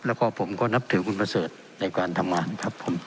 แล้วก็ผมก็นับถือคุณประเสริฐในการทำงานครับผม